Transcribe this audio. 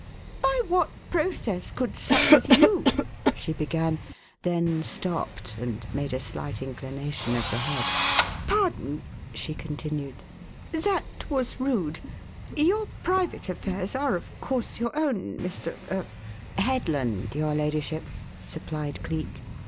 "By what process could such as you " she began; then stopped and made a slight inclination of the head. "Pardon," she continued; "that was rude. Your private affairs are of course your own, Mr. er " "Headland, your ladyship," supplied Cleek.